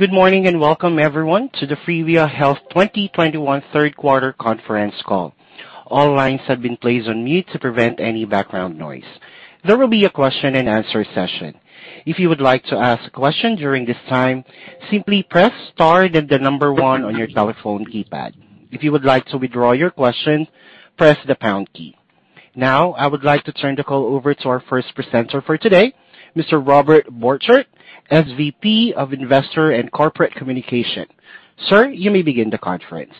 Good morning, and welcome everyone to the Privia Health 2021 third quarter conference call. All lines have been placed on mute to prevent any background noise. There will be a question-and-answer session. If you would like to ask a question during this time, simply press star, then the number 1 on your telephone keypad. If you would like to withdraw your question, press the pound key. Now, I would like to turn the call over to our first presenter for today, Mr. Robert Borchert, SVP of Investor and Corporate Communications. Sir, you may begin the conference.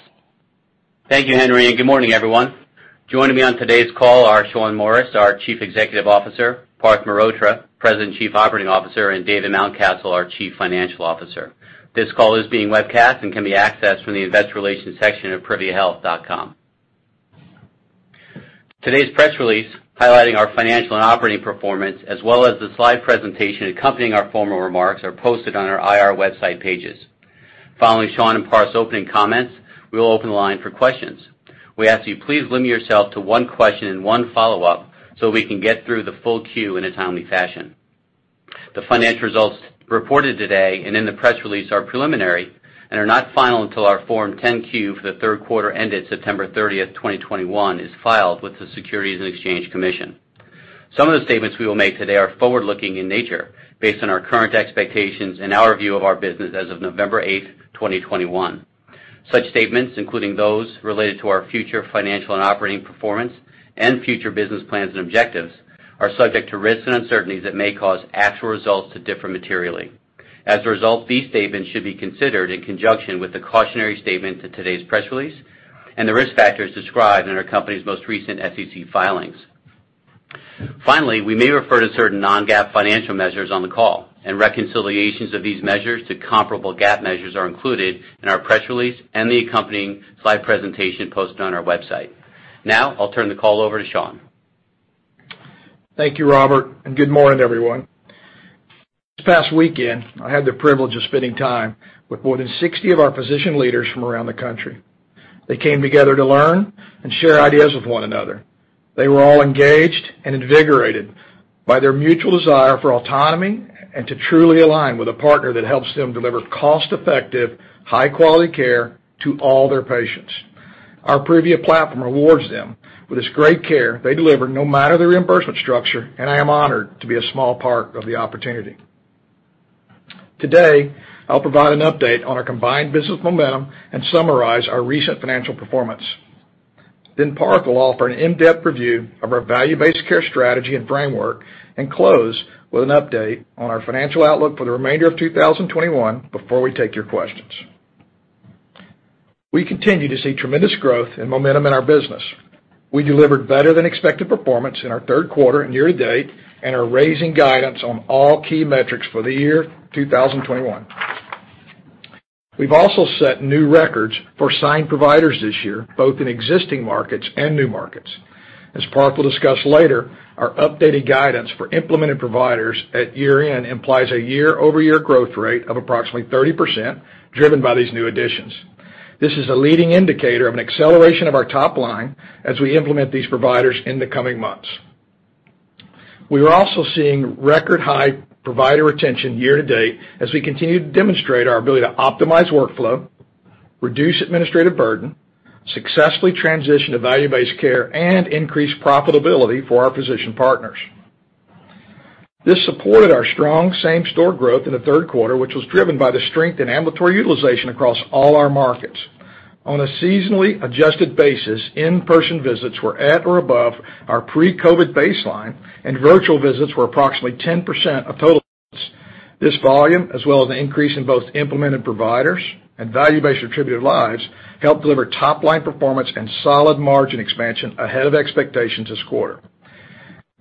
Thank you, Henry, and good morning, everyone. Joining me on today's call are Shawn Morris, our Chief Executive Officer, Parth Mehrotra, President and Chief Operating Officer, and David Mountcastle, our Chief Financial Officer. This call is being webcast and can be accessed from the investor relations section at priviahealth.com. Today's press release highlighting our financial and operating performance, as well as the slide presentation accompanying our formal remarks, are posted on our IR website pages. Following Shawn and Parth's opening comments, we will open the line for questions. We ask you please limit yourself to one question and one follow-up so we can get through the full queue in a timely fashion. The financial results reported today and in the press release are preliminary and are not final until our Form 10-Q for the third quarter ended September 30, 2021 is filed with the Securities and Exchange Commission. Some of the statements we will make today are forward-looking in nature based on our current expectations and our view of our business as of November 8, 2021. Such statements, including those related to our future financial and operating performance and future business plans and objectives, are subject to risks and uncertainties that may cause actual results to differ materially. As a result, these statements should be considered in conjunction with the cautionary statement in today's press release and the risk factors described in our company's most recent SEC filings. Finally, we may refer to certain non-GAAP financial measures on the call and reconciliations of these measures to comparable GAAP measures are included in our press release and the accompanying slide presentation posted on our website. Now, I'll turn the call over to Shawn. Thank you, Robert, and good morning, everyone. This past weekend, I had the privilege of spending time with more than 60 of our physician leaders from around the country. They came together to learn and share ideas with one another. They were all engaged and invigorated by their mutual desire for autonomy and to truly align with a partner that helps them deliver cost-effective, high-quality care to all their patients. Our Privia platform rewards them with this great care they deliver no matter the reimbursement structure, and I am honored to be a small part of the opportunity. Today, I'll provide an update on our combined business momentum and summarize our recent financial performance. Then Parth will offer an in-depth review of our value-based care strategy and framework, and close with an update on our financial outlook for the remainder of 2021 before we take your questions. We continue to see tremendous growth and momentum in our business. We delivered better than expected performance in our third quarter and year to date, and are raising guidance on all key metrics for the year 2021. We've also set new records for signed providers this year, both in existing markets and new markets. As Parth will discuss later, our updated guidance for implemented providers at year-end implies a year-over-year growth rate of approximately 30%, driven by these new additions. This is a leading indicator of an acceleration of our top line as we implement these providers in the coming months. We are also seeing record high provider retention year to date as we continue to demonstrate our ability to optimize workflow, reduce administrative burden, successfully transition to value-based care, and increase profitability for our physician partners. This supported our strong same-store growth in the third quarter, which was driven by the strength in ambulatory utilization across all our markets. On a seasonally adjusted basis, in-person visits were at or above our pre-COVID baseline, and virtual visits were approximately 10% of total visits. This volume, as well as an increase in both implemented providers and value-based attributed lives, helped deliver top-line performance and solid margin expansion ahead of expectations this quarter.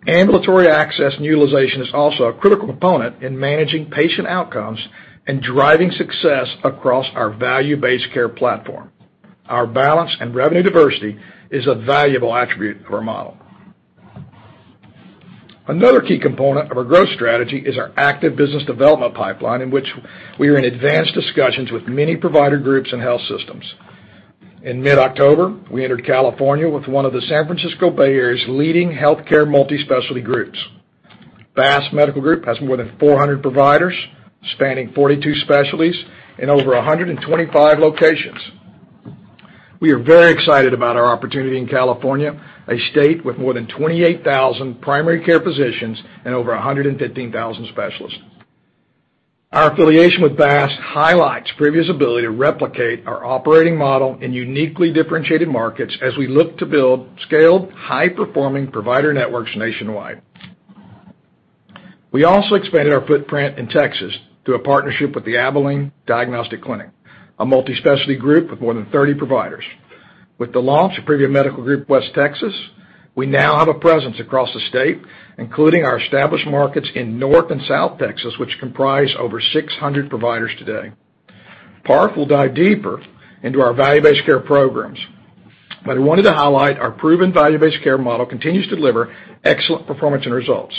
Ambulatory access and utilization is also a critical component in managing patient outcomes and driving success across our value-based care platform. Our balance and revenue diversity is a valuable attribute for our model. Another key component of our growth strategy is our active business development pipeline in which we are in advanced discussions with many provider groups and health systems. In mid-October, we entered California with one of the San Francisco Bay Area's leading healthcare multi-specialty groups. BASS Medical Group has more than 400 providers spanning 42 specialties in over 125 locations. We are very excited about our opportunity in California, a state with more than 28,000 primary care physicians and over 115,000 specialists. Our affiliation with BASS highlights Privia's ability to replicate our operating model in uniquely differentiated markets as we look to build scaled, high-performing provider networks nationwide. We also expanded our footprint in Texas through a partnership with the Abilene Diagnostic Clinic, a multi-specialty group with more than 30 providers. With the launch of Privia Medical Group West Texas, we now have a presence across the state, including our established markets in North and South Texas, which comprise over 600 providers today. Parth will dive deeper into our value-based care programs, but I wanted to highlight our proven value-based care model continues to deliver excellent performance and results.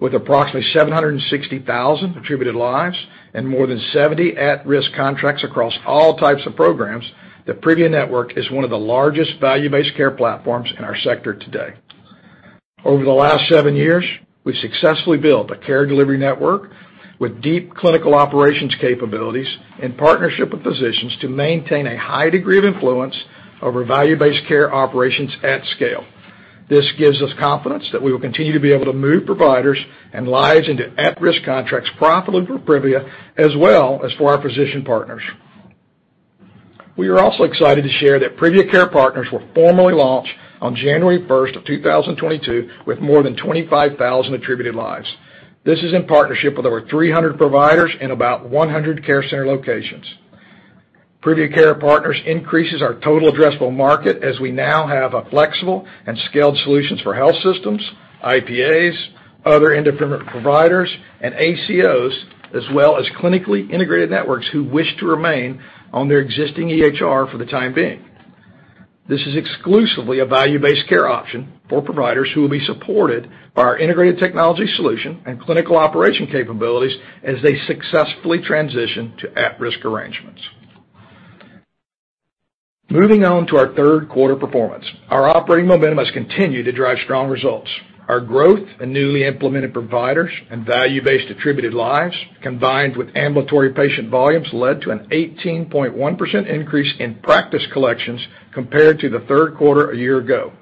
With approximately 760,000 attributed lives and more than 70 at-risk contracts across all types of programs, the Privia network is one of the largest value-based care platforms in our sector today. Over the last seven years, we've successfully built a care delivery network with deep clinical operations capabilities in partnership with physicians to maintain a high degree of influence over value-based care operations at scale. This gives us confidence that we will continue to be able to move providers and lives into at-risk contracts profitably for Privia, as well as for our physician partners. We are also excited to share that Privia Care Partners were formally launched on January 1, 2022 with more than 25,000 attributed lives. This is in partnership with over 300 providers in about 100 care center locations. Privia Care Partners increases our total addressable market as we now have a flexible and scaled solutions for health systems, IPAs, other independent providers, and ACOs, as well as clinically integrated networks who wish to remain on their existing EHR for the time being. This is exclusively a value-based care option for providers who will be supported by our integrated technology solution and clinical operation capabilities as they successfully transition to at-risk arrangements. Moving on to our third quarter performance. Our operating momentum has continued to drive strong results. Our growth in newly Implemented Providers and value-based attributed lives, combined with ambulatory patient volumes, led to an 18.1% increase in Practice Collections compared to the third quarter a year ago.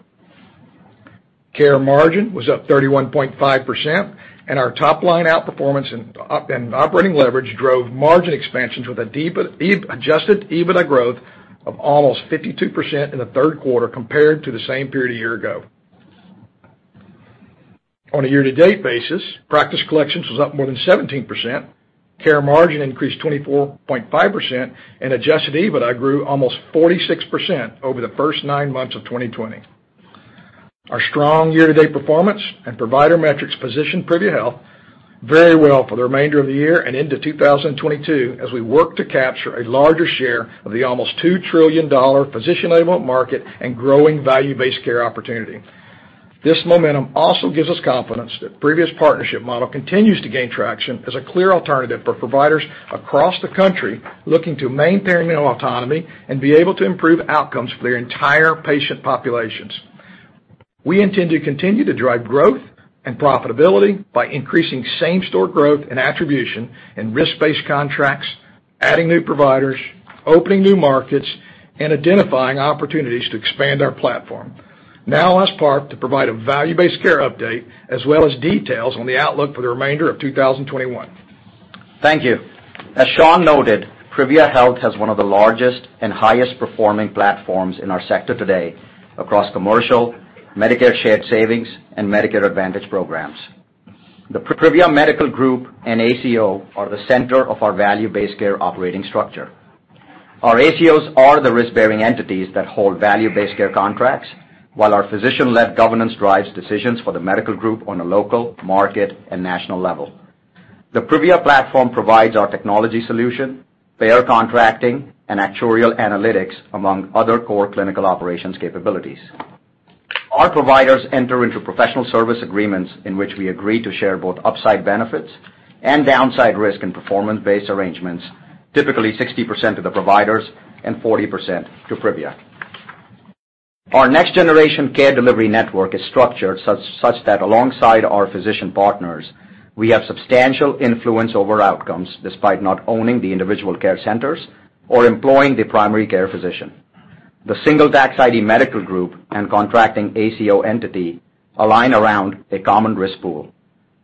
Care Margin was up 31.5%, and our top-line outperformance and operating leverage drove margin expansions with Adjusted EBITDA growth of almost 52% in the third quarter compared to the same period a year ago. On a year-to-date basis, Practice Collections was up more than 17%, Care Margin increased 24.5%, and Adjusted EBITDA grew almost 46% over the first nine months of 2020. Our strong year-to-date performance and provider metrics position Privia Health very well for the remainder of the year and into 2022 as we work to capture a larger share of the almost $2 trillion physician-enabled market and growing value-based care opportunity. This momentum also gives us confidence that Privia's partnership model continues to gain traction as a clear alternative for providers across the country looking to maintain autonomy and be able to improve outcomes for their entire patient populations. We intend to continue to drive growth and profitability by increasing same-store growth and attribution in risk-based contracts, adding new providers, opening new markets, and identifying opportunities to expand our platform. Now, Parth's part to provide a value-based care update as well as details on the outlook for the remainder of 2021. Thank you. As Shawn noted, Privia Health has one of the largest and highest performing platforms in our sector today across commercial, Medicare Shared Savings, and Medicare Advantage programs. The Privia Medical Group and ACO are the center of our value-based care operating structure. Our ACOs are the risk-bearing entities that hold value-based care contracts, while our physician-led governance drives decisions for the medical group on a local, market, and national level. The Privia platform provides our technology solution, payer contracting, and actuarial analytics, among other core clinical operations capabilities. Our providers enter into professional service agreements in which we agree to share both upside benefits and downside risk in performance-based arrangements, typically 60% to the providers and 40% to Privia. Our next-generation care delivery network is structured such that alongside our physician partners, we have substantial influence over outcomes despite not owning the individual care centers or employing the primary care physician. The single tax ID medical group and contracting ACO entity align around a common risk pool.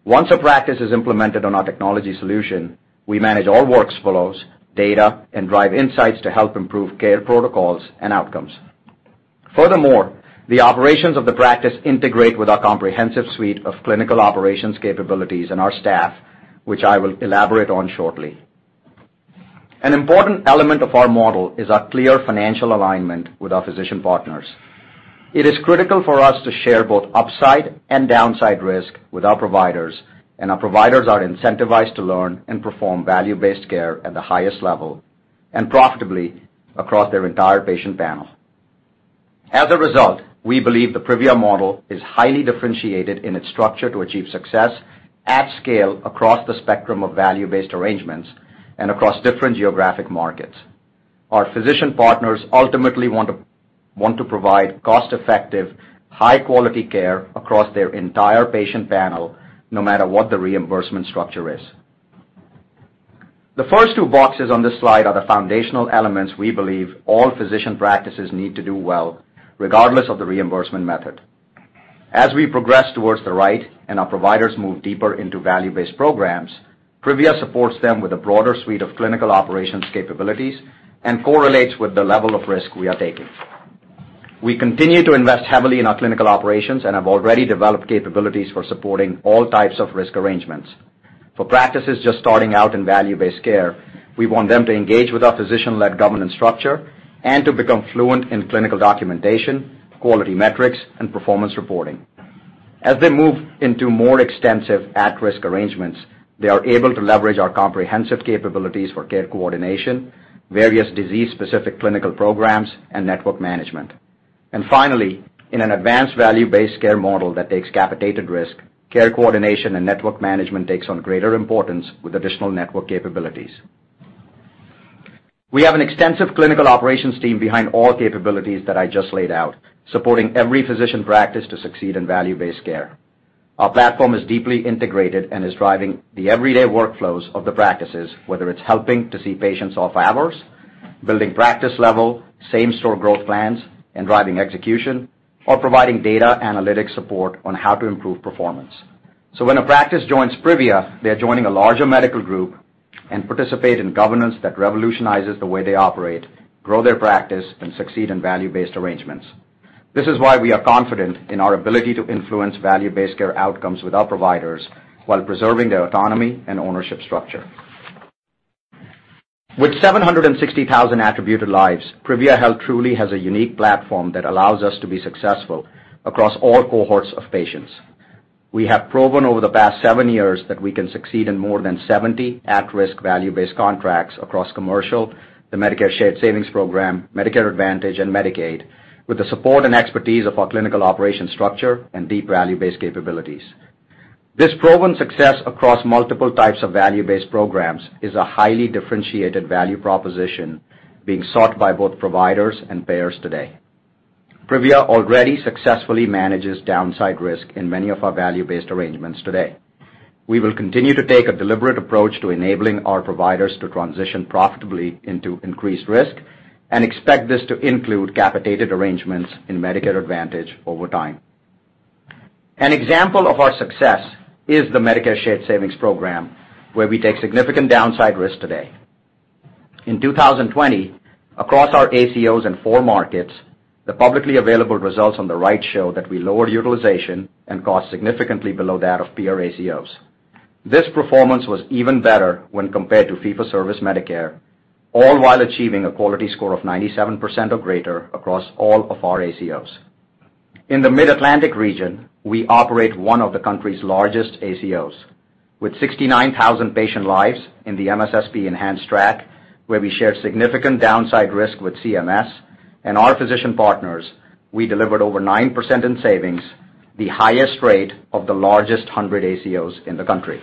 Once a practice is implemented on our technology solution, we manage all workflows, data, and drive insights to help improve care protocols and outcomes. Furthermore, the operations of the practice integrate with our comprehensive suite of clinical operations capabilities and our staff, which I will elaborate on shortly. An important element of our model is our clear financial alignment with our physician partners. It is critical for us to share both upside and downside risk with our providers, and our providers are incentivized to learn and perform value-based care at the highest level and profitably across their entire patient panel. As a result, we believe the Privia model is highly differentiated in its structure to achieve success at scale across the spectrum of value-based arrangements and across different geographic markets. Our physician partners ultimately want to provide cost-effective, high-quality care across their entire patient panel, no matter what the reimbursement structure is. The first two boxes on this slide are the foundational elements we believe all physician practices need to do well, regardless of the reimbursement method. As we progress towards the right and our providers move deeper into value-based programs, Privia supports them with a broader suite of clinical operations capabilities and correlates with the level of risk we are taking. We continue to invest heavily in our clinical operations and have already developed capabilities for supporting all types of risk arrangements. For practices just starting out in value-based care, we want them to engage with our physician-led governance structure and to become fluent in clinical documentation, quality metrics, and performance reporting. As they move into more extensive at-risk arrangements, they are able to leverage our comprehensive capabilities for care coordination, various disease-specific clinical programs, and network management. Finally, in an advanced value-based care model that takes capitated risk, care coordination and network management takes on greater importance with additional network capabilities. We have an extensive clinical operations team behind all capabilities that I just laid out, supporting every physician practice to succeed in value-based care. Our platform is deeply integrated and is driving the everyday workflows of the practices, whether it's helping to see patients off hours, building practice level, same-store growth plans, and driving execution, or providing data analytics support on how to improve performance. When a practice joins Privia, they're joining a larger medical group and participate in governance that revolutionizes the way they operate, grow their practice, and succeed in value-based arrangements. This is why we are confident in our ability to influence value-based care outcomes with our providers while preserving their autonomy and ownership structure. With 760,000 attributed lives, Privia Health truly has a unique platform that allows us to be successful across all cohorts of patients. We have proven over the past seven years that we can succeed in more than 70 at-risk value-based contracts across commercial, the Medicare Shared Savings Program, Medicare Advantage, and Medicaid, with the support and expertise of our clinical operation structure and deep value-based capabilities. This proven success across multiple types of value-based programs is a highly differentiated value proposition being sought by both providers and payers today. Privia already successfully manages downside risk in many of our value-based arrangements today. We will continue to take a deliberate approach to enabling our providers to transition profitably into increased risk and expect this to include capitated arrangements in Medicare Advantage over time. An example of our success is the Medicare Shared Savings Program, where we take significant downside risk today. In 2020, across our ACOs in four markets, the publicly available results on the right show that we lowered utilization and cost significantly below that of peer ACOs. This performance was even better when compared to fee-for-service Medicare, all while achieving a quality score of 97% or greater across all of our ACOs. In the Mid-Atlantic region, we operate one of the country's largest ACOs. With 69,000 patient lives in the MSSP-Enhanced track, where we share significant downside risk with CMS and our physician partners, we delivered over 9% in savings, the highest rate of the largest 100 ACOs in the country.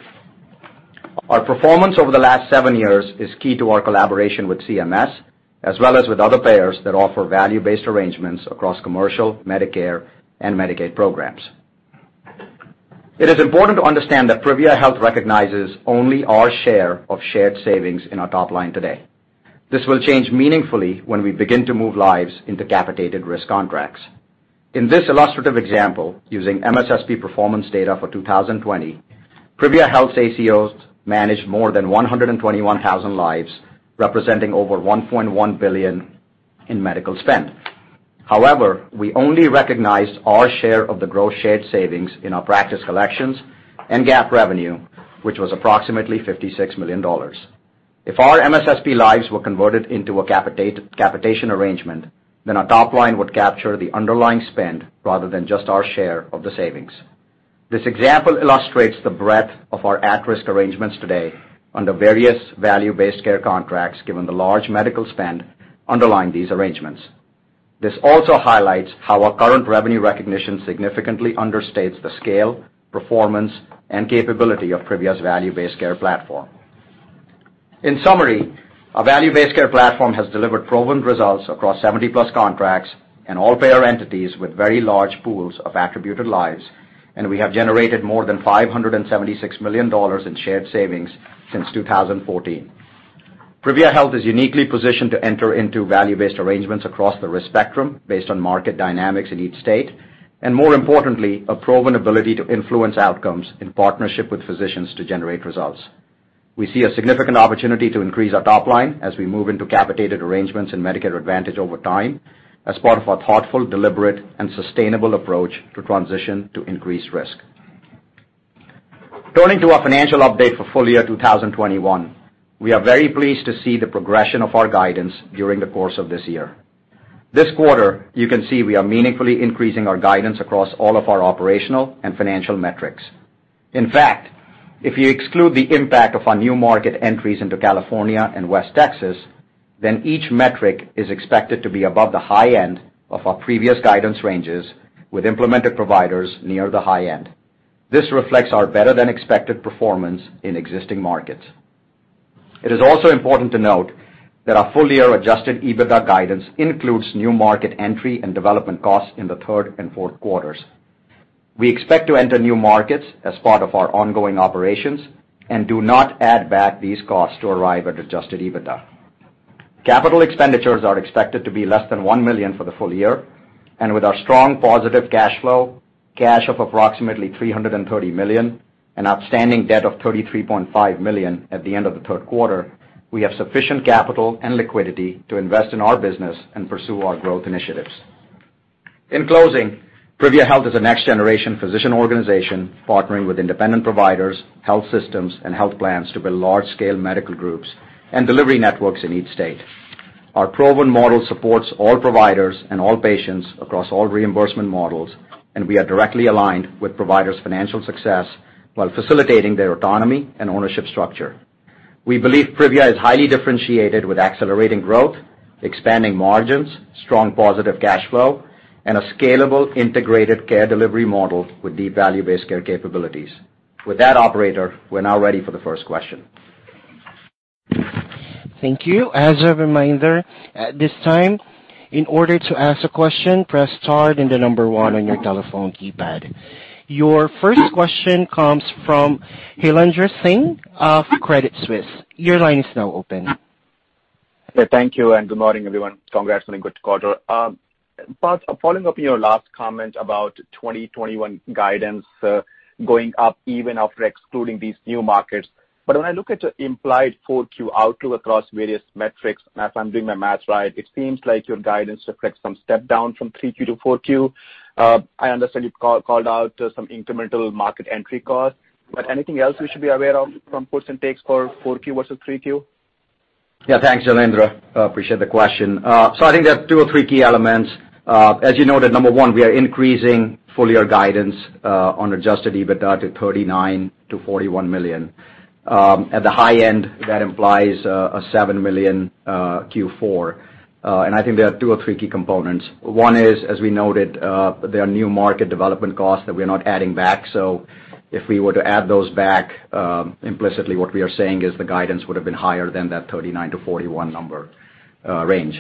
Our performance over the last seven years is key to our collaboration with CMS, as well as with other payers that offer value-based arrangements across commercial, Medicare, and Medicaid programs. It is important to understand that Privia Health recognizes only our share of shared savings in our top line today. This will change meaningfully when we begin to move lives into capitated risk contracts. In this illustrative example, using MSSP performance data for 2020, Privia Health's ACOs managed more than 121,000 lives, representing over $1.1 billion in medical spend. However, we only recognized our share of the gross shared savings in our practice collections and gap revenue, which was approximately $56 million. If our MSSP lives were converted into a capitation arrangement, then our top line would capture the underlying spend rather than just our share of the savings. This example illustrates the breadth of our at-risk arrangements today under various value-based care contracts, given the large medical spend underlying these arrangements. This also highlights how our current revenue recognition significantly understates the scale, performance, and capability of Privia's value-based care platform. In summary, our value-based care platform has delivered proven results across 70+ contracts and all payer entities with very large pools of attributed lives, and we have generated more than $576 million in shared savings since 2014. Privia Health is uniquely positioned to enter into value-based arrangements across the risk spectrum based on market dynamics in each state, and more importantly, a proven ability to influence outcomes in partnership with physicians to generate results. We see a significant opportunity to increase our top line as we move into capitated arrangements in Medicare Advantage over time as part of our thoughtful, deliberate, and sustainable approach to transition to increased risk. Turning to our financial update for full year 2021. We are very pleased to see the progression of our guidance during the course of this year. This quarter, you can see we are meaningfully increasing our guidance across all of our operational and financial metrics. In fact, if you exclude the impact of our new market entries into California and West Texas, then each metric is expected to be above the high end of our previous guidance ranges, with Implemented Providers near the high end. This reflects our better-than-expected performance in existing markets. It is also important to note that our full year Adjusted EBITDA guidance includes new market entry and development costs in the third and fourth quarters. We expect to enter new markets as part of our ongoing operations and do not add back these costs to arrive at Adjusted EBITDA. Capital expenditures are expected to be less than $1 million for the full year, and with our strong positive cash flow, cash of approximately $330 million, and outstanding debt of $33.5 million at the end of the third quarter, we have sufficient capital and liquidity to invest in our business and pursue our growth initiatives. In closing, Privia Health is a next-generation physician organization partnering with independent providers, health systems, and health plans to build large-scale medical groups and delivery networks in each state. Our proven model supports all providers and all patients across all reimbursement models, and we are directly aligned with providers' financial success while facilitating their autonomy and ownership structure. We believe Privia is highly differentiated with accelerating growth, expanding margins, strong positive cash flow, and a scalable integrated care delivery model with deep value-based care capabilities. With that, operator, we're now ready for the first question. Thank you. As a reminder, at this time, in order to ask a question, press star then 1 on your telephone keypad. Your first question comes from Jailendra Singh of Credit Suisse. Your line is now open. Yeah, thank you, and good morning, everyone. Congrats on a good quarter. Parth, following up on your last comment about 2021 guidance, going up even after excluding these new markets. When I look at the implied 4Q outlook across various metrics, and if I'm doing my math right, it seems like your guidance reflects some step down from 3Q to 4Q. I understand you called out some incremental market entry costs. Anything else we should be aware of from puts and takes for 4Q versus 3Q? Yeah, thanks, Jalendra. Appreciate the question. I think there are two or three key elements. As you noted, number one, we are increasing full-year guidance on Adjusted EBITDA to $39 million-$41 million. At the high end, that implies a $7 million Q4. I think there are two or three key components. One is, as we noted, there are new market development costs that we're not adding back. If we were to add those back, implicitly, what we are saying is the guidance would have been higher than that $39 million-$41 million number range.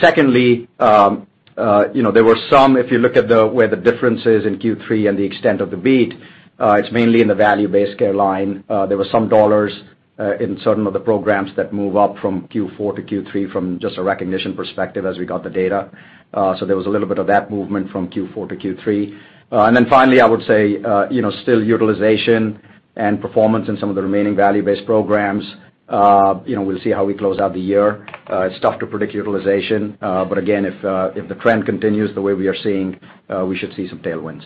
Secondly, you know, if you look at where the difference is in Q3 and the extent of the beat, it's mainly in the value-based care line. There were some dollars in certain of the programs that move up from Q4 to Q3 from just a recognition perspective as we got the data. There was a little bit of that movement from Q4 to Q3. Finally, I would say, you know, still utilization and performance in some of the remaining value-based programs, you know, we'll see how we close out the year. It's tough to predict utilization, but again, if the trend continues the way we are seeing, we should see some tailwinds.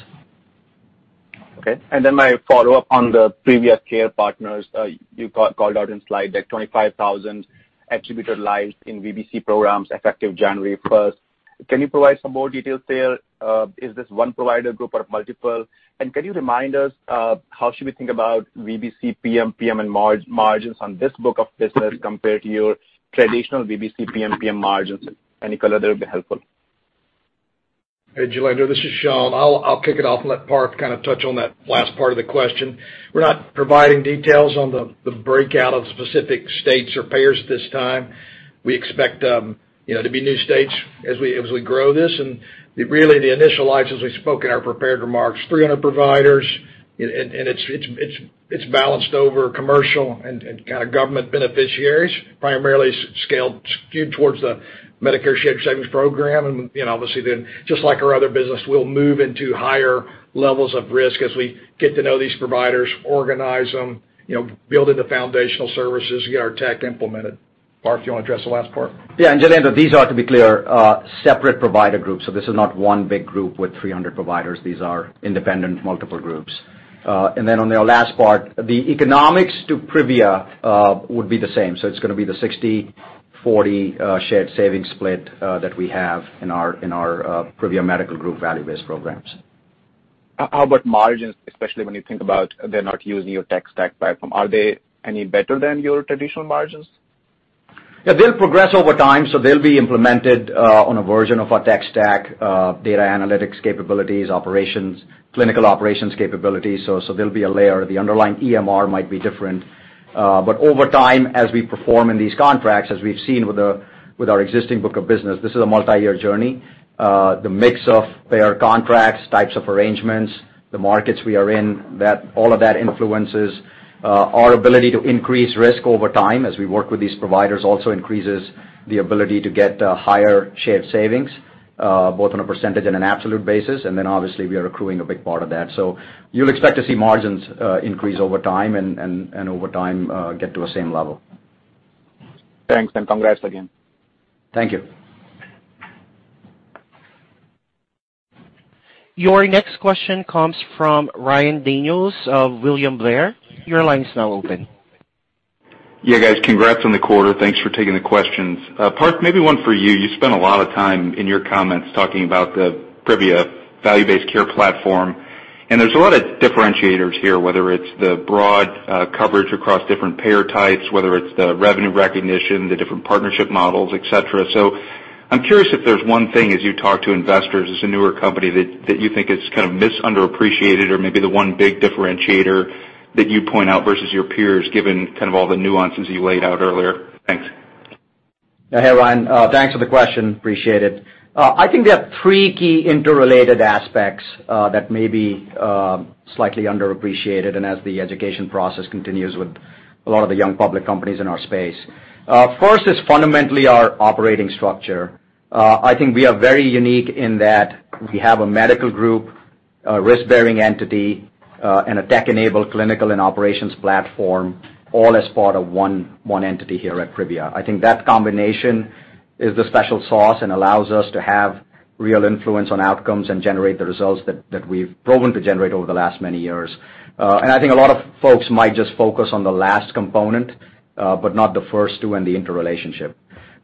Okay. Then my follow-up on the Privia Care Partners, you called out in slide deck 25,000 attributed lives in VBC programs effective January first. Can you provide some more details there? Is this one provider group or multiple? And can you remind us, how should we think about VBC PMPM and margins on this book of business compared to your traditional VBC PMPM margins? Any color there would be helpful. Hey, Jalendra. This is Shawn. I'll kick it off and let Parth kind of touch on that last part of the question. We're not providing details on the breakout of specific states or payers at this time. We expect, you know, to be new states as we grow this. The initial lives, as we spoke in our prepared remarks, 300 providers, and it's balanced over commercial and kind of government beneficiaries, primarily skewed towards the Medicare Shared Savings Program. You know, obviously, then just like our other business, we'll move into higher levels of risk as we get to know these providers, organize them, you know, build in the foundational services, get our tech implemented. Parth, do you wanna address the last part? Yeah. Jalendra, these are, to be clear, separate provider groups. This is not one big group with 300 providers. On the last part, the economics to Privia would be the same. It's gonna be the 60/40 shared savings split that we have in our Privia Medical Group value-based programs. How about margins, especially when you think about they're not using your tech stack platform? Are they any better than your traditional margins? Yeah, they'll progress over time, so they'll be implemented on a version of our tech stack, data analytics capabilities, operations, clinical operations capabilities. There'll be a layer. The underlying EMR might be different. But over time, as we perform in these contracts, as we've seen with our existing book of business, this is a multi-year journey. The mix of payer contracts, types of arrangements, the markets we are in, that all of that influences our ability to increase risk over time as we work with these providers also increases the ability to get higher shared savings both on a percentage and an absolute basis. Then obviously, we are accruing a big part of that. You'll expect to see margins increase over time and over time get to a same level. Thanks, and congrats again. Thank you. Your next question comes from Ryan Daniels of William Blair. Your line is now open. Yeah, guys. Congrats on the quarter. Thanks for taking the questions. Parth, maybe one for you. You spent a lot of time in your comments talking about the Privia value-based care platform, and there's a lot of differentiators here, whether it's the broad coverage across different payer types, whether it's the revenue recognition, the different partnership models, et cetera. I'm curious if there's one thing as you talk to investors as a newer company that you think is kind of mis-underappreciated or maybe the one big differentiator that you'd point out versus your peers, given kind of all the nuances you laid out earlier. Thanks. Hey, Ryan. Thanks for the question. Appreciate it. I think there are three key interrelated aspects that may be slightly underappreciated and as the education process continues with a lot of the young public companies in our space. First is fundamentally our operating structure. I think we are very unique in that we have a medical group, a risk-bearing entity, and a tech-enabled clinical and operations platform, all as part of one entity here at Privia. I think that combination is the special sauce and allows us to have real influence on outcomes and generate the results that we've proven to generate over the last many years. I think a lot of folks might just focus on the last component, but not the first two and the interrelationship.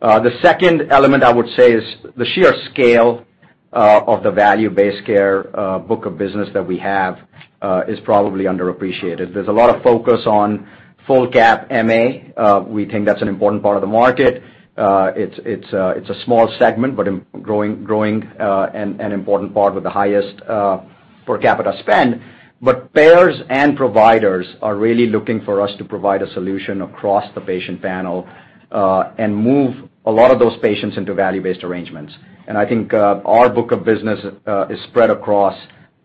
The second element I would say is the sheer scale of the value-based care book of business that we have is probably underappreciated. There's a lot of focus on full-cap MA. We think that's an important part of the market. It's a small segment, but growing, an important part with the highest per capita spend. Payers and providers are really looking for us to provide a solution across the patient panel and move a lot of those patients into value-based arrangements. I think our book of business is spread across,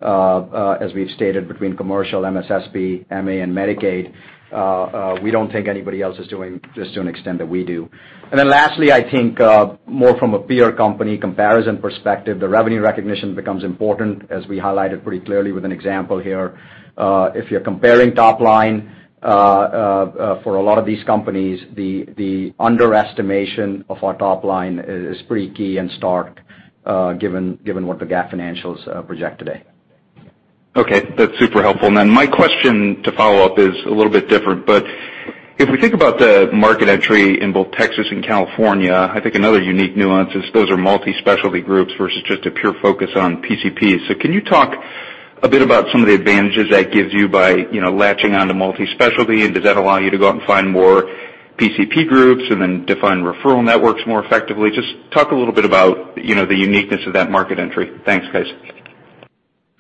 as we've stated, between commercial MSSP, MA, and Medicaid. We don't think anybody else is doing this to an extent that we do. Lastly, I think, more from a peer company comparison perspective, the revenue recognition becomes important, as we highlighted pretty clearly with an example here. If you're comparing top line for a lot of these companies, the underestimation of our top line is pretty key and stark, given what the GAAP financials project today. Okay, that's super helpful. Then my question to follow up is a little bit different, but if we think about the market entry in both Texas and California, I think another unique nuance is those are multi-specialty groups versus just a pure focus on PCPs. Can you talk a bit about some of the advantages that gives you by, you know, latching on to multi-specialty? And does that allow you to go out and find more PCP groups and then define referral networks more effectively? Just talk a little bit about, you know, the uniqueness of that market entry. Thanks, guys.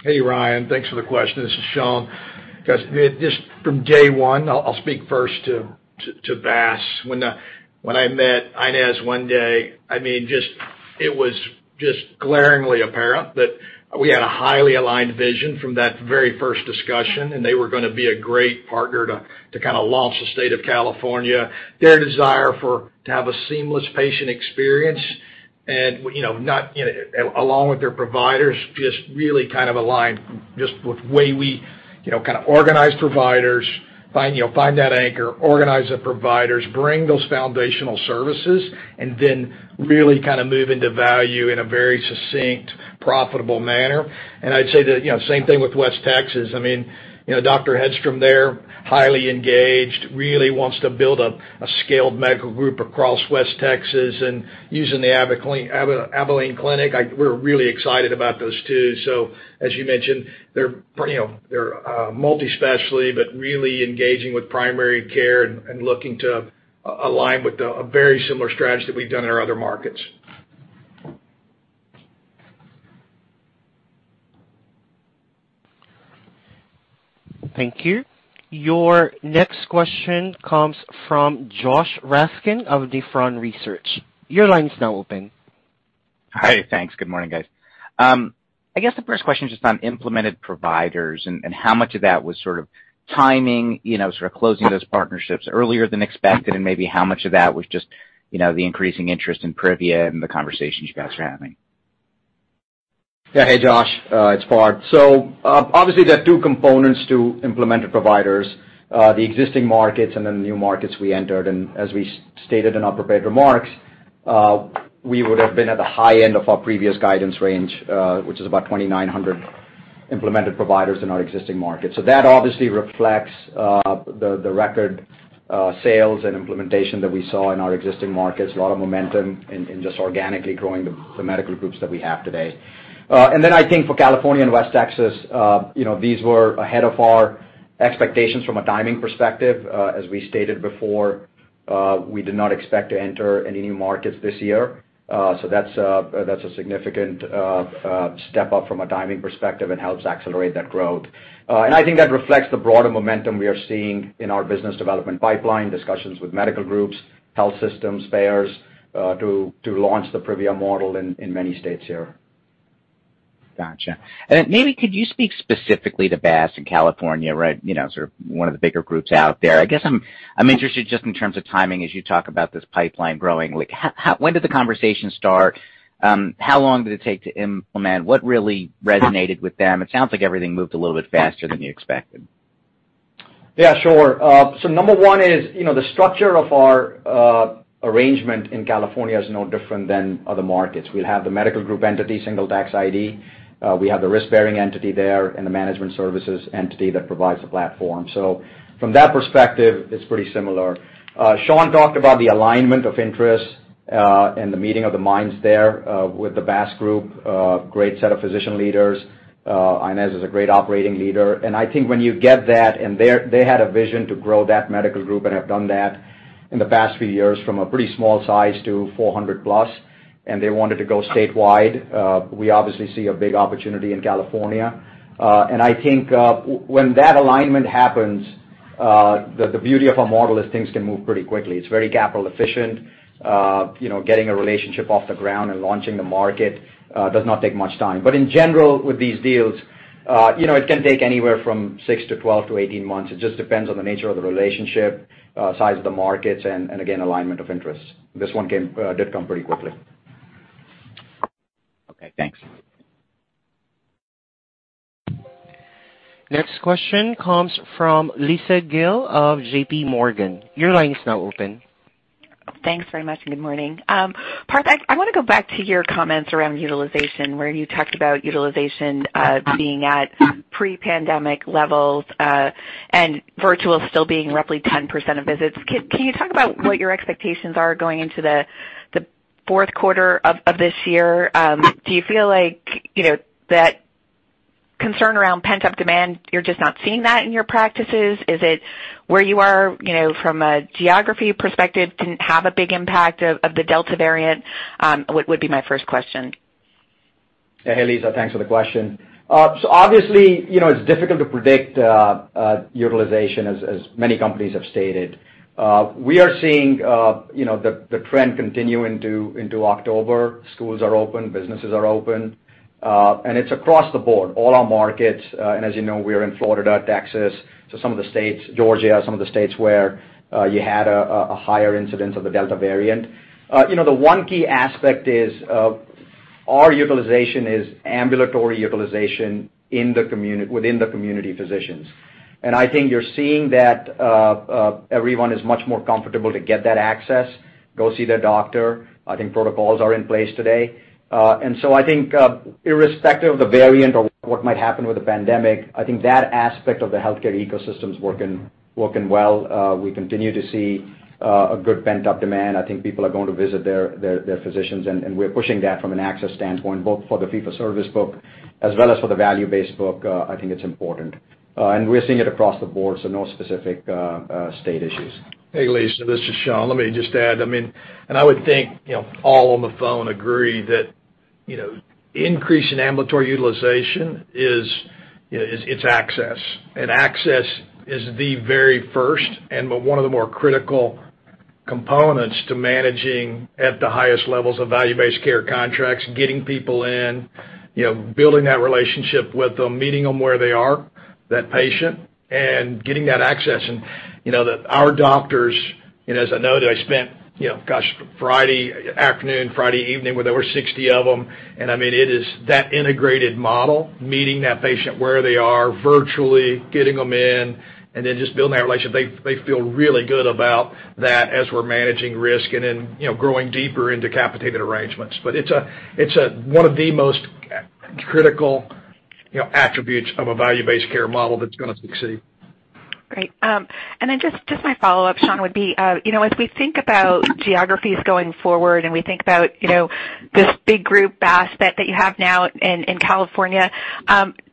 Hey, Ryan. Thanks for the question. This is Shawn. Guys, I mean, just from day one, I'll speak first to BASS. When I met Inez one day, I mean, just, it was just glaringly apparent that we had a highly aligned vision from that very first discussion, and they were gonna be a great partner to kinda launch the state of California. Their desire to have a seamless patient experience and, you know, along with their providers just really kind of aligned just with way we, you know, kinda organize providers, find, you know, find that anchor, organize the providers, bring those foundational services, and then really kinda move into value in a very succinct, profitable manner. I'd say that, you know, same thing with West Texas. I mean, you know, Dr. Hedstrom there, highly engaged, really wants to build a scaled medical group across West Texas and using the Abilene clinic. We're really excited about those two. As you mentioned, they're multi-specialty, but really engaging with primary care and looking to align with a very similar strategy that we've done in our other markets. Thank you. Your next question comes from Josh Raskin of Nephron Research. Your line is now open. Hi. Thanks. Good morning, guys. I guess the first question is just on Implemented Providers and how much of that was sort of timing, you know, sort of closing those partnerships earlier than expected, and maybe how much of that was just, you know, the increasing interest in Privia and the conversations you guys are having. Yeah. Hey, Josh, it's Par. Obviously there are two components to Implemented Providers, the existing markets and then the new markets we entered. As we stated in our prepared remarks, we would have been at the high end of our previous guidance range, which is about 2,900 Implemented Providers in our existing markets. That obviously reflects the record sales and implementation that we saw in our existing markets, a lot of momentum in just organically growing the medical groups that we have today. I think for California and West Texas, you know, these were ahead of our expectations from a timing perspective. As we stated before, we did not expect to enter any new markets this year. That's a significant step up from a timing perspective and helps accelerate that growth. I think that reflects the broader momentum we are seeing in our business development pipeline, discussions with medical groups, health systems, payers, to launch the Privia model in many states here. Gotcha. Then maybe could you speak specifically to BASS in California, right? You know, sort of one of the bigger groups out there. I guess I'm interested just in terms of timing as you talk about this pipeline growing. Like when did the conversation start? How long did it take to implement? What really resonated with them? It sounds like everything moved a little bit faster than you expected. Yeah, sure. So number one is, you know, the structure of our arrangement in California is no different than other markets. We have the medical group entity, single tax ID. We have the risk-bearing entity there and the management services entity that provides the platform. So from that perspective, it's pretty similar. Shawn talked about the alignment of interests and the meeting of the minds there with the BASS Medical Group. Great set of physician leaders. Inez is a great operating leader. I think when you get that, they had a vision to grow that medical group and have done that in the past few years from a pretty small size to 400 plus, and they wanted to go statewide. We obviously see a big opportunity in California. I think when that alignment happens, the beauty of our model is things can move pretty quickly. It's very capital efficient. You know, getting a relationship off the ground and launching the market does not take much time. But in general, with these deals, you know, it can take anywhere from 6-12-18 months. It just depends on the nature of the relationship, size of the markets, and again, alignment of interests. This one came pretty quickly. Okay, thanks. Next question comes from Lisa Gill of JP Morgan. Your line is now open. Thanks very much, and good morning. Parth, I wanna go back to your comments around utilization, where you talked about utilization being at pre-pandemic levels, and virtual still being roughly 10% of visits. Can you talk about what your expectations are going into the fourth quarter of this year? Do you feel like, you know, that Concern around pent-up demand, you're just not seeing that in your practices? Is it where you are, you know, from a geography perspective didn't have a big impact of the Delta variant? Would be my first question. Hey, Lisa, thanks for the question. Obviously, you know, it's difficult to predict utilization as many companies have stated. We are seeing the trend continue into October. Schools are open, businesses are open, and it's across the board, all our markets. As you know, we're in Florida, Texas, so some of the states, Georgia, some of the states where you had a higher incidence of the Delta variant. The one key aspect is our utilization is ambulatory utilization within the community physicians. I think you're seeing that everyone is much more comfortable to get that access, go see their doctor. I think protocols are in place today. I think, irrespective of the variant or what might happen with the pandemic, I think that aspect of the healthcare ecosystem's working well. We continue to see a good pent-up demand. I think people are going to visit their physicians, and we're pushing that from an access standpoint, both for the fee-for-service book as well as for the value-based book, I think it's important. We're seeing it across the board, no specific state issues. Hey, Lisa, this is Shawn. Let me just add. I mean, I would think, you know, all on the phone agree that, you know, increase in ambulatory utilization is, you know, it's access. Access is the very first and but one of the more critical components to managing at the highest levels of value-based care contracts, getting people in, you know, building that relationship with them, meeting them where they are, that patient, and getting that access. You know, our doctors, and as I know, I spent, you know, gosh, Friday afternoon, Friday evening with over 60 of them, and I mean, it is that integrated model, meeting that patient where they are virtually, getting them in, and then just building that relationship. They feel really good about that as we're managing risk and then, you know, growing deeper into capitated arrangements. It's one of the most critical, you know, attributes of a value-based care model that's gonna succeed. Great. Just my follow-up, Shawn, would be, you know, as we think about geographies going forward and we think about, you know, this big group aspect that you have now in California,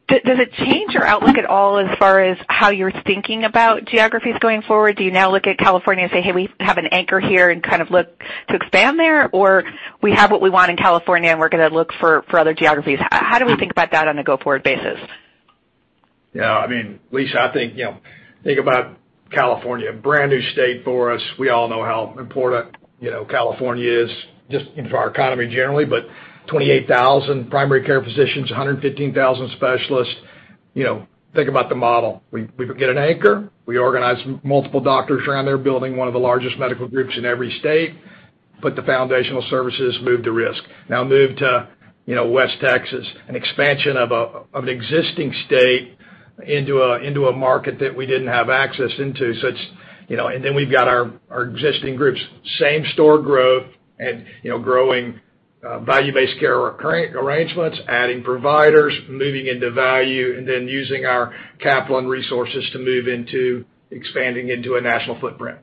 does it change your outlook at all as far as how you're thinking about geographies going forward? Do you now look at California and say, "Hey, we have an anchor here," and kind of look to expand there? Or we have what we want in California, and we're gonna look for other geographies. How do we think about that on a go-forward basis? Yeah. I mean, Lisa, I think, you know, think about California, brand new state for us. We all know how important, you know, California is just into our economy generally, but 28,000 primary care physicians, 115,000 specialists, you know, think about the model. We get an anchor, we organize multiple doctors around there, building one of the largest medical groups in every state, put the foundational services, move the risk. Now move to, you know, West Texas, an expansion of an existing state into a market that we didn't have access into. It's, you know, and then we've got our existing groups, same-store growth and, you know, growing value-based care arrangements, adding providers, moving into value, and then using our capital and resources to move into expanding into a national footprint.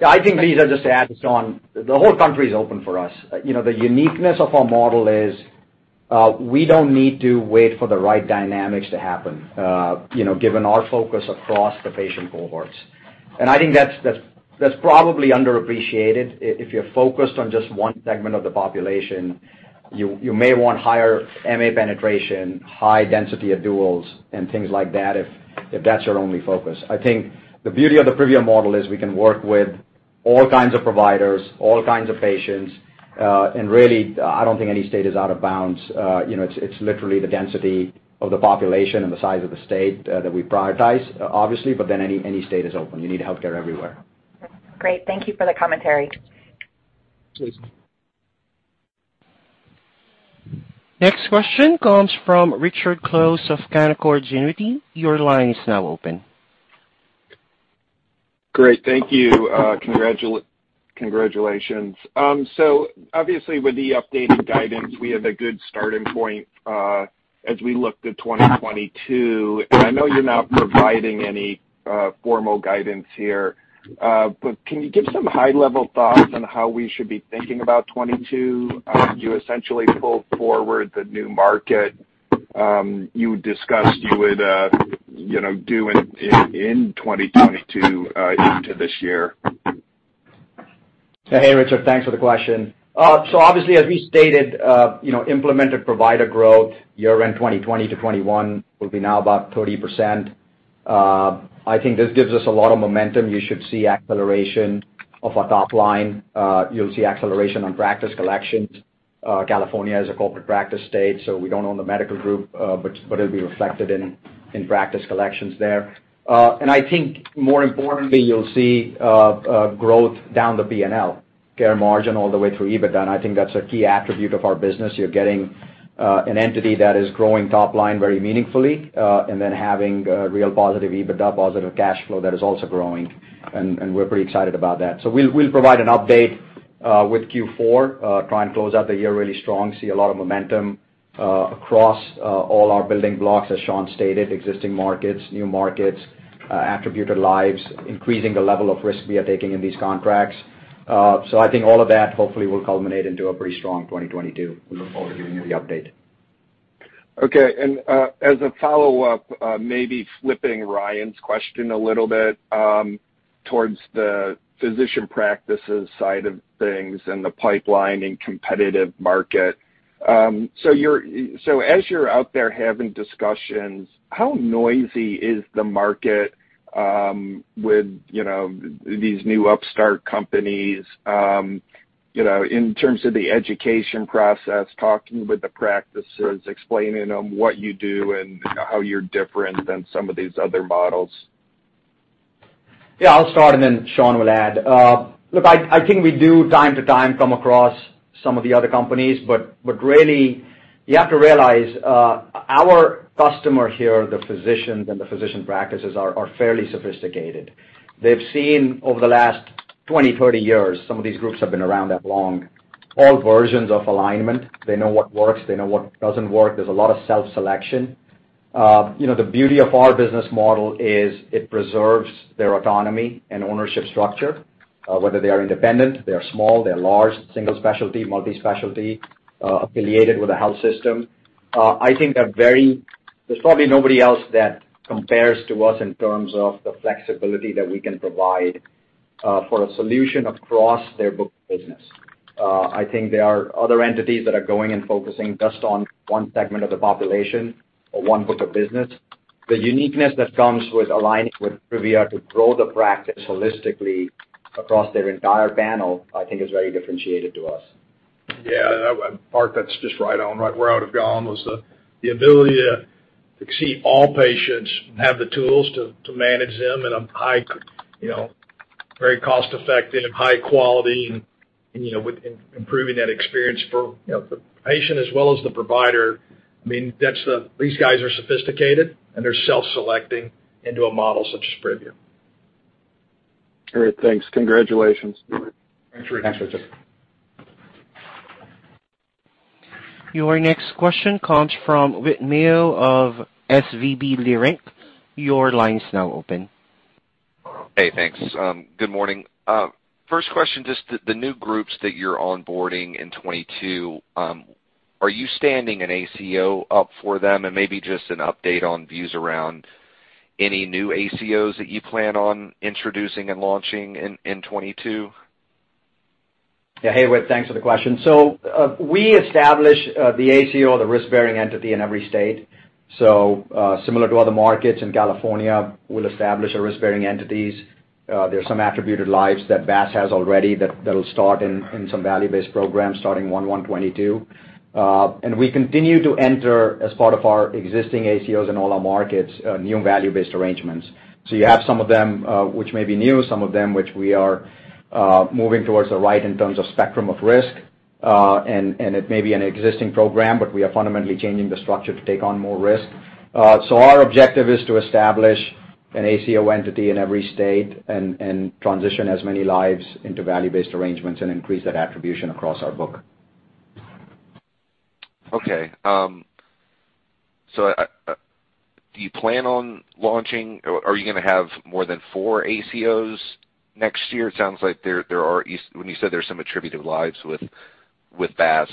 Yeah, I think, Lisa, just to add to Shawn, the whole country is open for us. You know, the uniqueness of our model is, we don't need to wait for the right dynamics to happen, you know, given our focus across the patient cohorts. I think that's probably underappreciated. If you're focused on just one segment of the population, you may want higher MA penetration, high density of duals and things like that if that's your only focus. I think the beauty of the Privia model is we can work with all kinds of providers, all kinds of patients, and really, I don't think any state is out of bounds. You know, it's literally the density of the population and the size of the state that we prioritize, obviously, but then any state is open. You need healthcare everywhere. Great. Thank you for the commentary. Please. Next question comes from Richard Close of Canaccord Genuity. Your line is now open. Great. Thank you. Congratulations. So obviously with the updated guidance, we have a good starting point, as we look to 2022. I know you're not providing any formal guidance here, but can you give some high-level thoughts on how we should be thinking about 2022? Do you essentially pull forward the new market you discussed you would, you know, do in 2022, into this year? Hey, Richard, thanks for the question. Obviously, as we stated, you know, implemented provider growth year-end 2020 to 2021 will be now about 30%. I think this gives us a lot of momentum. You should see acceleration of our top line. You'll see acceleration on practice collections. California is a corporate practice state, so we don't own the medical group, but it'll be reflected in practice collections there. I think more importantly, you'll see growth down the P&L, Care Margin all the way through EBITDA, and I think that's a key attribute of our business. You're getting an entity that is growing top line very meaningfully, and then having real positive EBITDA, positive cash flow that is also growing, and we're pretty excited about that. We'll provide an update with Q4, try and close out the year really strong. See a lot of momentum across all our building blocks, as Shawn stated, existing markets, new markets, attributed lives, increasing the level of risk we are taking in these contracts. I think all of that hopefully will culminate into a pretty strong 2022. We look forward to giving you the update. Okay. As a follow-up, maybe flipping Ryan's question a little bit, towards the physician practices side of things and the pipeline and competitive market. As you're out there having discussions, how noisy is the market, with, you know, these new upstart companies, you know, in terms of the education process, talking with the practices, explaining them what you do and how you're different than some of these other models? Yeah, I'll start, and then Shawn will add. Look, I think we do from time to time come across some of the other companies, but really, you have to realize, our customer here, the physicians and the physician practices are fairly sophisticated. They've seen over the last 20, 30 years, some of these groups have been around that long, all versions of alignment. They know what works, they know what doesn't work. There's a lot of self-selection. You know, the beauty of our business model is it preserves their autonomy and ownership structure, whether they are independent, they are small, they are large, single specialty, multi-specialty, affiliated with a health system. I think they're very. There's probably nobody else that compares to us in terms of the flexibility that we can provide for a solution across their book of business. I think there are other entities that are going and focusing just on one segment of the population or one book of business. The uniqueness that comes with aligning with Privia to grow the practice holistically across their entire panel, I think is very differentiated to us. Yeah, that one, Parth, that's just right on. Right where I would've gone was the ability to see all patients, have the tools to manage them in a high, you know, very cost-effective, high quality, and, you know, with improving that experience for, you know, the patient as well as the provider. I mean, that's the. These guys are sophisticated, and they're self-selecting into a model such as Privia. Great. Thanks. Congratulations. Thanks, Richard. Thanks, Richard. Your next question comes from Whit Mayo of SVB Leerink. Your line is now open. Hey, thanks. Good morning. First question, just the new groups that you're onboarding in 2022, are you standing an ACO up for them? Maybe just an update on views around any new ACOs that you plan on introducing and launching in 2022. Yeah. Hey, Whit, thanks for the question. We establish the ACO, the risk-bearing entity in every state. Similar to other markets in California, we'll establish a risk-bearing entity. There's some attributed lives that BASS has already that'll start in some value-based programs starting 1/1/2022. We continue to enter as part of our existing ACOs in all our markets, new value-based arrangements. You have some of them which may be new, some of them which we are moving towards the right in terms of spectrum of risk. It may be an existing program, but we are fundamentally changing the structure to take on more risk. Our objective is to establish an ACO entity in every state and transition as many lives into value-based arrangements and increase that attribution across our book. Do you plan on launching or are you gonna have more than four ACOs next year? It sounds like when you said there's some attributed lives with BASS,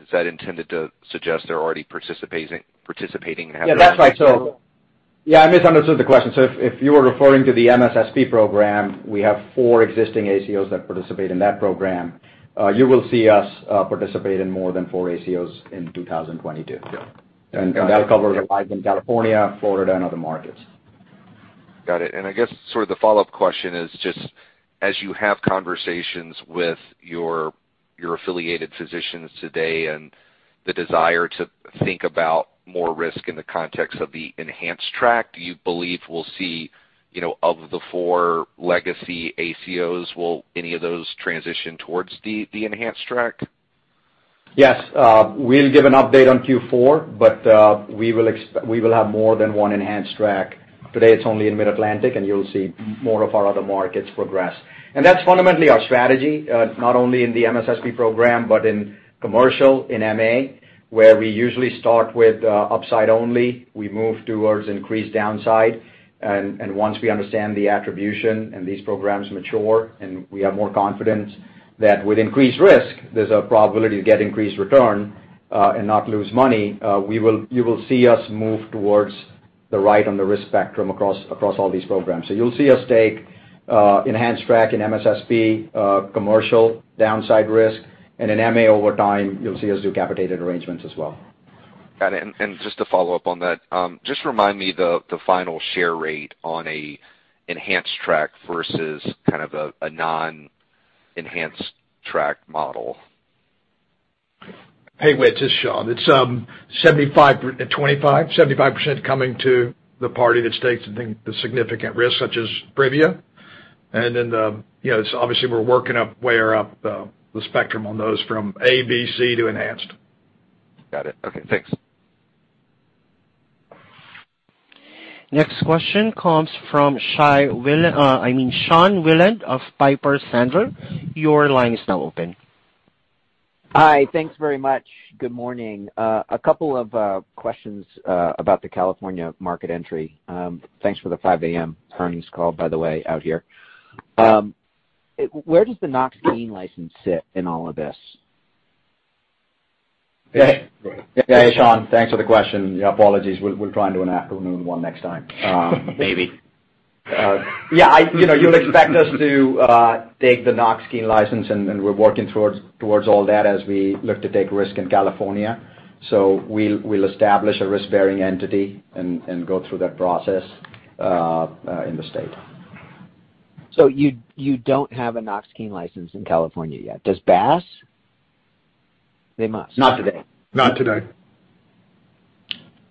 is that intended to suggest they're already participating and have their own ACO? Yeah, that's right. Yeah, I misunderstood the question. If you were referring to the MSSP program, we have four existing ACOs that participate in that program. You will see us participate in more than four ACOs in 2022. Yeah. That'll cover the lives in California, Florida, and other markets. Got it. I guess sort of the follow-up question is just as you have conversations with your affiliated physicians today and the desire to think about more risk in the context of the Enhanced track, do you believe we'll see, you know, of the four legacy ACOs, will any of those transition towards the Enhanced track? Yes. We'll give an update on Q4, but we will have more than one Enhanced track. Today, it's only in Mid-Atlantic, and you'll see more of our other markets progress. That's fundamentally our strategy, not only in the MSSP program, but in commercial, in MA, where we usually start with upside only. We move towards increased downside. Once we understand the attribution and these programs mature, and we have more confidence that with increased risk, there's a probability to get increased return, and not lose money, you will see us move towards the right on the risk spectrum across all these programs. You'll see us take Enhanced track in MSSP, commercial downside risk, and in MA over time, you'll see us do capitated arrangements as well. Got it. Just to follow up on that, just remind me the final shared rate on a Enhanced track versus kind of a non-Enhanced track model. Hey, Whit, this is Shawn. It's 75-25. 75% coming to the party that takes, I think, the significant risk such as Privia. You know, it's obviously we're working way up the spectrum on those from A, B, C to Enhanced. Got it. Okay, thanks. Next question comes from Sean Wieland of Piper Sandler. Your line is now open. Hi. Thanks very much. Good morning. A couple of questions about the California market entry. Thanks for the 5 A.M. earnings call, by the way, out here. Where does the Knox-Keene license sit in all of this? Yeah. Hey, Sean, thanks for the question. Yeah, apologies, we'll try and do an afternoon one next time. Maybe. Yeah, you know, you'll expect us to take the Knox-Keene license, and we're working towards all that as we look to take risk in California. We'll establish a risk-bearing entity and go through that process in the state. You don't have a Knox-Keene license in California yet. Does BASS? They must. Not today. Not today.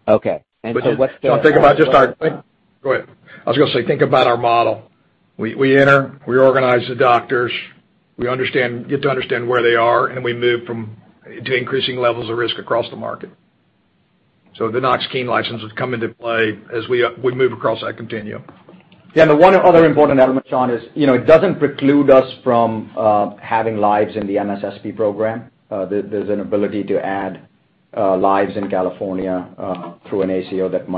Okay. What's the- If y'all think about just our model. I was gonna say, think about our model. We enter, we organize the doctors, we get to understand where they are, and then we move to increasing levels of risk across the market. The Knox-Keene license would come into play as we move across that continuum. Yeah. One other important element, Sean, is, you know, it doesn't preclude us from having lives in the MSSP program. There's an ability to add lives in California through an ACO that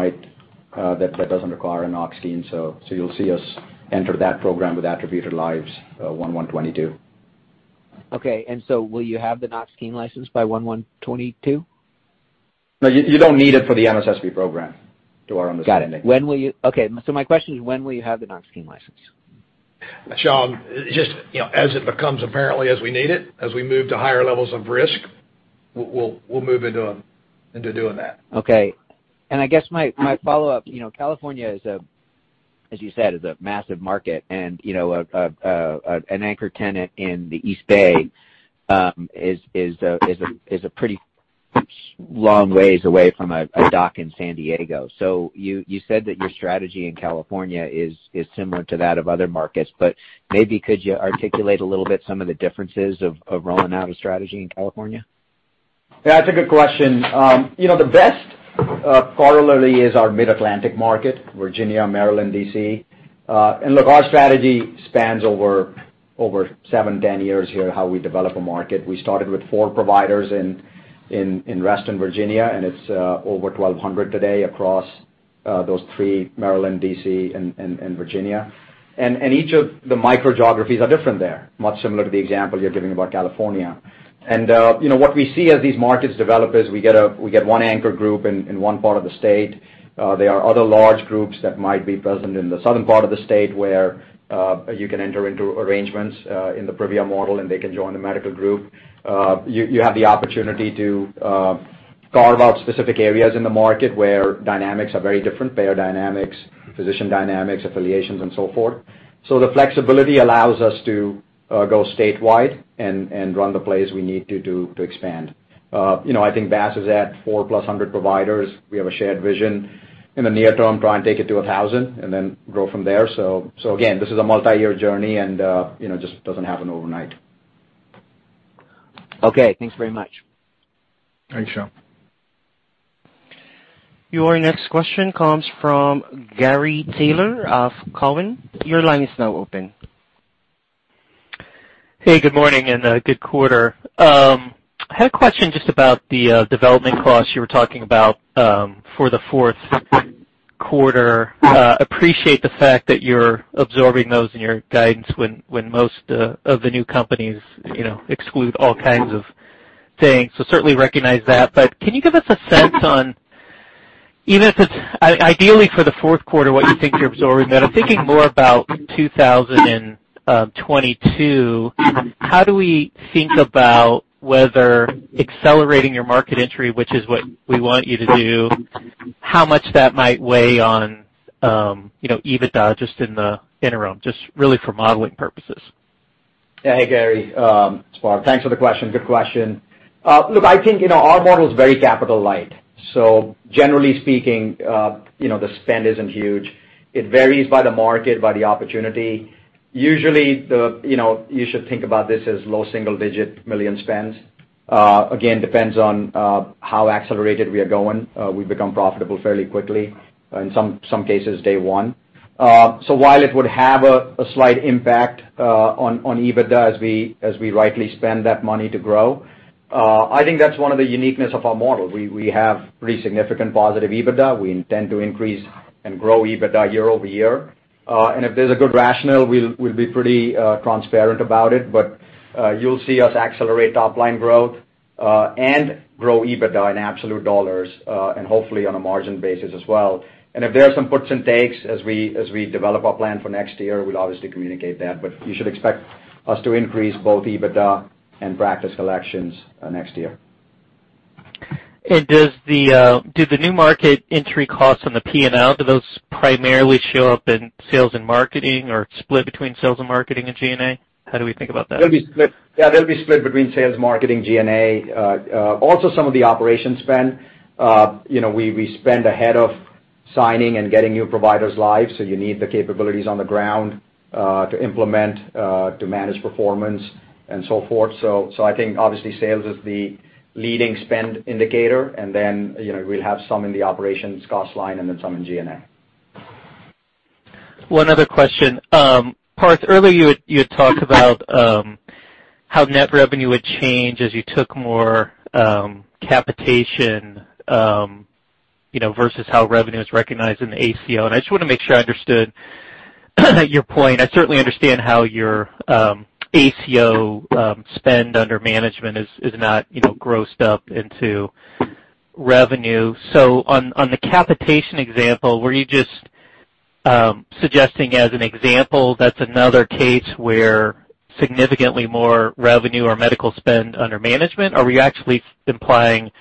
doesn't require a Knox-Keene. You'll see us enter that program with attributed lives 1/1/2022. Okay. Will you have the Knox-Keene license by 1/1/2022? No, you don't need it for the MSSP program, to our understanding. Got it. Okay. My question is, when will you have the Knox-Keene license? Sean, just, you know, as it becomes apparent as we need it, as we move to higher levels of risk, we'll move into doing that. Okay. I guess my follow-up, you know, California is a, as you said, is a massive market and, you know, an anchor tenant in the East Bay is a pretty long ways away from a dock in San Diego. So you said that your strategy in California is similar to that of other markets, but maybe could you articulate a little bit some of the differences of rolling out a strategy in California? Yeah, that's a good question. You know, the best corollary is our Mid-Atlantic market, Virginia, Maryland, D.C. Look, our strategy spans over 7-10 years here, how we develop a market. We started with four providers in Reston, Virginia, and it's over 1,200 today across those three, Maryland, D.C., and Virginia. Each of the micro geographies are different there, much similar to the example you're giving about California. You know, what we see as these markets develop is we get one anchor group in one part of the state. There are other large groups that might be present in the southern part of the state where you can enter into arrangements in the Privia model, and they can join the medical group. You have the opportunity to carve out specific areas in the market where dynamics are very different, payer dynamics, physician dynamics, affiliations and so forth. The flexibility allows us to go statewide and run the plays we need to expand. You know, I think BASS is at 400+ providers. We have a shared vision. In the near term, try and take it to 1,000 and then grow from there. Again, this is a multi-year journey and you know, just doesn't happen overnight. Okay. Thanks very much. Thanks, Sean. Your next question comes from Gary Taylor of Cowen. Your line is now open. Hey, good morning and good quarter. I had a question just about the development costs you were talking about for the fourth quarter. Appreciate the fact that you're absorbing those in your guidance when most of the new companies, you know, exclude all kinds of things. So certainly recognize that. But can you give us a sense on, even if it's ideally for the fourth quarter, what you think you're absorbing, but I'm thinking more about 2022. How do we think about whether accelerating your market entry, which is what we want you to do, how much that might weigh on, you know, EBITDA just in the interim, just really for modeling purposes? Hey, Gary, it's Parth. Thanks for the question. Good question. Look, I think, you know, our model is very capital light, so generally speaking, you know, the spend isn't huge. It varies by the market, by the opportunity. Usually, you know, you should think about this as low single-digit million spends. Again, depends on how accelerated we are going. We've become profitable fairly quickly in some cases day one. So while it would have a slight impact on EBITDA as we rightly spend that money to grow, I think that's one of the uniqueness of our model. We have pretty significant positive EBITDA. We intend to increase and grow EBITDA year-over-year. If there's a good rationale, we'll be pretty transparent about it. You'll see us accelerate top line growth, and grow EBITDA in absolute dollars, and hopefully on a margin basis as well. If there are some puts and takes as we develop our plan for next year, we'll obviously communicate that. You should expect us to increase both EBITDA and practice collections next year. Do the new market entry costs on the P&L primarily show up in sales and marketing or split between sales and marketing and G&A? How do we think about that? They'll be split. Yeah, they'll be split between sales, marketing, G&A. Also some of the operation spend. You know, we spend ahead of signing and getting new providers live, so you need the capabilities on the ground to implement, to manage performance and so forth. So I think obviously sales is the leading spend indicator and then, you know, we'll have some in the operations cost line and then some in G&A. One other question. Parth, earlier you had talked about how net revenue would change as you took more capitation you know versus how revenue is recognized in the ACO. I just wanna make sure I understood your point. I certainly understand how your ACO spend under management is not you know grossed up into revenue. On the capitation example, were you just suggesting as an example that's another case where significantly more revenue or medical spend under management? Are we actually implying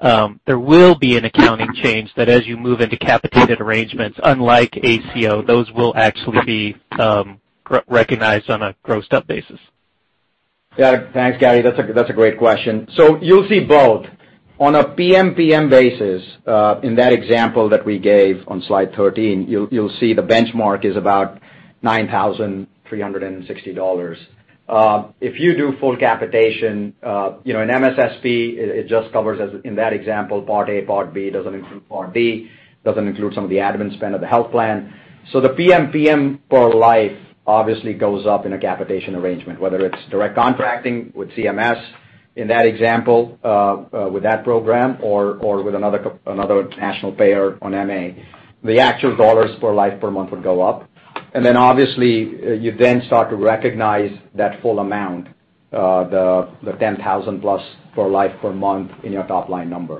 there will be an accounting change that as you move into capitated arrangements unlike ACO those will actually be re-recognized on a grossed up basis? Yeah. Thanks, Gary. That's a great question. You'll see both. On a PMPM basis, in that example that we gave on slide 13, you'll see the benchmark is about $9,360. If you do full capitation, you know, in MSSP, it just covers as in that example, Part A, Part D, doesn't include Part B, doesn't include some of the admin spend of the health plan. The PMPM per life obviously goes up in a capitation arrangement, whether it's direct contracting with CMS, in that example, with that program or with another national payer on MA. The actual dollars per life per month would go up. Obviously, you then start to recognize that full amount, the $10,000+ per life per month in your top line number.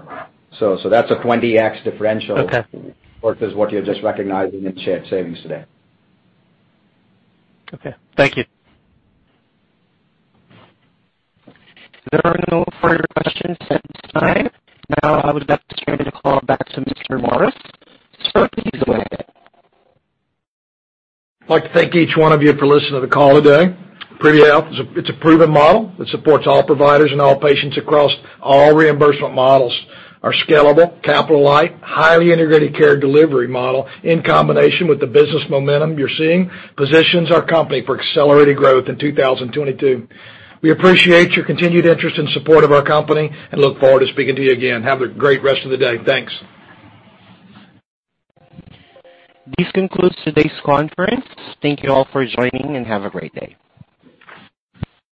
So that's a 20x differential. Okay. Versus what you're just recognizing in shared savings today. Okay. Thank you. There are no further questions at this time. Now I would like to turn the call back to Mr. Morris. Sir, please go ahead. I'd like to thank each one of you for listening to the call today. Privia Health is a proven model that supports all providers and all patients across all reimbursement models. A scalable, capital light, highly integrated care delivery model in combination with the business momentum you're seeing positions our company for accelerated growth in 2022. We appreciate your continued interest and support of our company, and look forward to speaking to you again. Have a great rest of the day. Thanks. This concludes today's conference. Thank you all for joining, and have a great day.